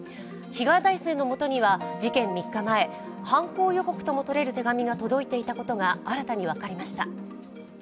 被害男性の元には事件３日前、犯行予告ともとれる手紙が届いていたことが新たに分かりました。